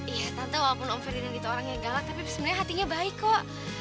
iya tante walaupun om ferdinand itu orang yang galak tapi sebenarnya hatinya baik kok